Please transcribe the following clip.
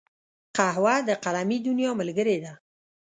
قهوه د قلمي دنیا ملګرې ده